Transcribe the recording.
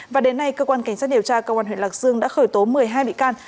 và đến nay cơ quan cảnh sát điều tra công an huyện lạc dương đã khởi tố một mươi hai bị can